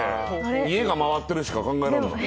家が回ってるしか考えられない。